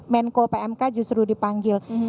menko pmk justru dipanggil